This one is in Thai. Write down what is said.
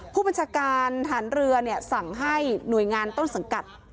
ผู้บัญชาการฐานเรือสั่งให้หน่วยงานต้นสังกัด